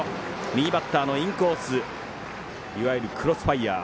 右バッターのインコースいわゆるクロスファイアー。